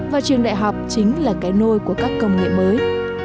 và trường đại học chính là cái nôi của các công nghệ mới